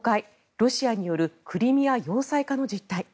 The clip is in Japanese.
ロシアによるクリミア要塞化の実態。